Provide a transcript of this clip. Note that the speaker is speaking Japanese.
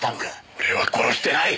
俺は殺してない！